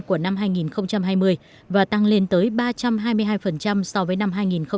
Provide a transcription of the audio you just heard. của năm hai nghìn hai mươi và tăng lên tới ba trăm hai mươi hai so với năm hai nghìn một mươi chín